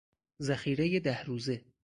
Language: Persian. ذخیرهی ده روزه